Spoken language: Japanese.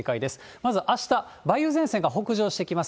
まずあした、梅雨前線が北上してきます。